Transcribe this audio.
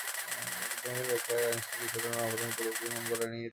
Copenhagen ব্যাখ্যায় Einstein কিছুটা নরম হলেন, কিন্তু পুরোপুরি মন গলেনি তাঁর।